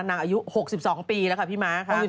อายุ๖๒ปีแล้วค่ะพี่ม้าค่ะ